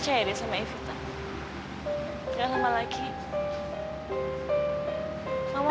tapi non evita udah kebiasaan nanti aku akan berubah